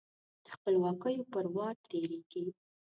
د خپلواکیو پر واټ تیریږې